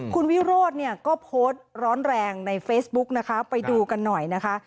คุณวิโรธเนี่ยก็โพสต์ร้อนแรงในเฟซบุ๊กนะคะไปดูกันหน่อยนะคะ